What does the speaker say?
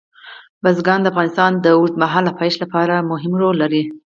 بزګان د افغانستان د اوږدمهاله پایښت لپاره مهم رول لري.